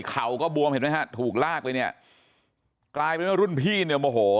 เข่าก็บวมเห็นไหมฮะถูกลากไปเนี่ยกลายเป็นว่ารุ่นพี่เนี่ยโมโห